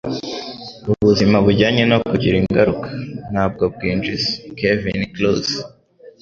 Ubuzima bujyanye no kugira ingaruka, ntabwo bwinjiza.” - Kevin Kruse